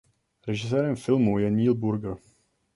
Režisérem filmu je Neil Burger.